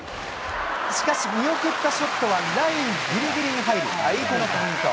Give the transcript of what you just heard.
しかし見送ったショットはラインぎりぎりに入り、相手のポイント。